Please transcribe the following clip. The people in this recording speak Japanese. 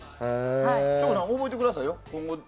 省吾さん、覚えてくださいよ。